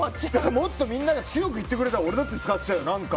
もっとみんなが強く言ってくれたら俺だって使ってたよ。